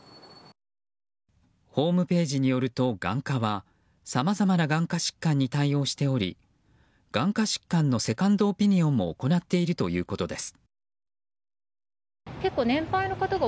ホームページによると眼科はさまざまな眼科疾患に対応しており眼科疾患のセカンドオピニオンも行っているということです。